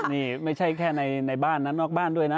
นี่ไม่ใช่แค่ในบ้านนั้นนอกบ้านด้วยนะ